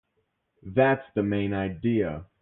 That's the main idea.